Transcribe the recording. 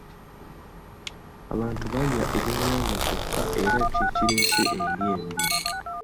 Abantu balya byennyanja byokka era ky'ekireese endya embi.